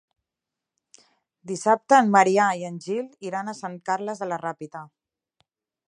Dissabte en Maria i en Gil iran a Sant Carles de la Ràpita.